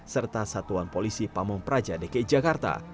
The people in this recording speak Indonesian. serta satuan polisi pamung praja dki jakarta